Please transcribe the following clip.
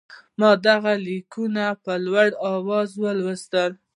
ما دغه لیکونه په لوړ آواز ولوستل.